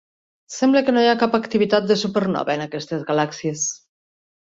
Sembla que no hi ha cap activitat de supernova en aquestes galàxies.